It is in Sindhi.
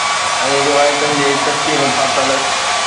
۽ روايتن جي چکی ۾ ڦاٿل